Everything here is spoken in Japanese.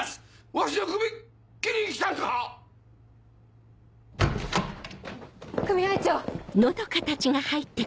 わしのクビ切りに来たんか⁉組合長！